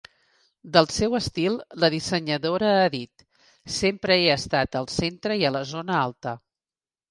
Del seu estil, la dissenyadora ha dit: Sempre he estat al centre i a la zona alta.